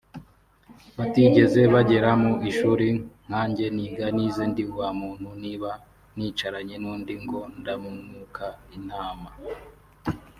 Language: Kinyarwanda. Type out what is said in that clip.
batigeze bagera mu ishuri nkanjye niga nize ndi wa muntu niba nicaranye n’undi ngo ndanuka intama